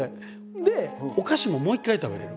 でお菓子ももう一回食べれる。